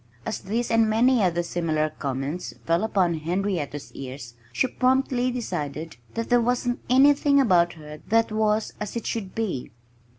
As these and many similar comments fell upon Henrietta's ears she promptly decided that there wasn't anything about her that was as it should be.